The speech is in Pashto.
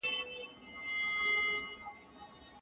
تر څو چي دوی د هغه ملګري وي.